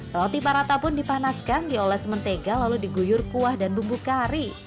roti parata pun dipanaskan dioles mentega lalu diguyur kuah dan bumbu kari